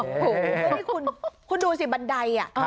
นี่คุณคุณดูสิบันไดอ่ะ